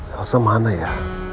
selesa mana ya